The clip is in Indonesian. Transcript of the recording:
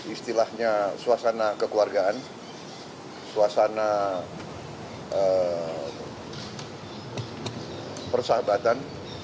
istilahnya suasana kekeluargaan suasana persahabatan